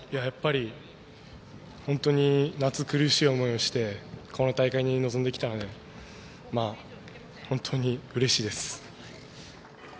やっぱり本当に夏苦しい思いをしてこの大会に臨んできたので本当にうれしいです。